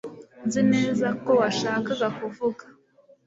nzi neza ko washakaga kuvuga